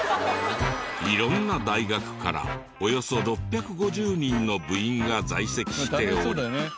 色んな大学からおよそ６５０人の部員が在籍しており。